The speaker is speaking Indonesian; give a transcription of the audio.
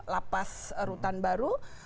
lapas rutan baru